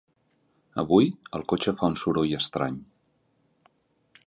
Avui el cotxe fa un soroll estrany.